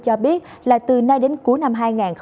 cho biết là từ nay đến cuối năm hai nghìn hai mươi